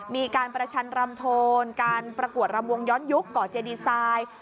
มีการประชันรำโทนการประกวดรำวงย้อนยุคก่อเจดีไซน์